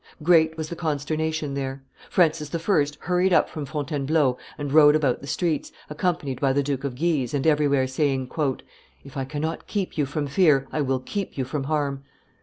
Great was the consternation there; Francis I. hurried up from Fontainebleau and rode about the streets, accompanied by the Duke of Guise, and everywhere saying, "If I cannot keep you from fear, I will keep you from harm."